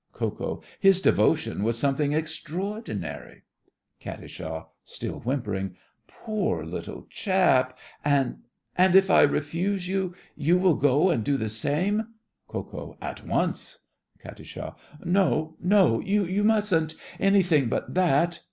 KO. His devotion was something extraordinary. KAT. (still whimpering). Poor little chap! And—and if I refuse you, will you go and do the same? KO. At once. KAT. No, no—you mustn't! Anything but that!